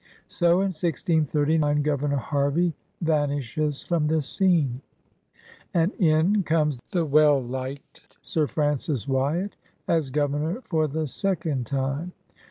So in 1639 Governor Harvey van ishes from the scene, and in comes the well liked Sir Francis Wyatt as Governor for the second time.